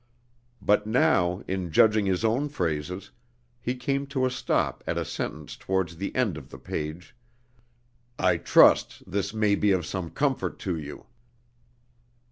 But now, in judging his own phrases, he came to a stop at a sentence towards the end of the page: "I trust this may be of some comfort to you."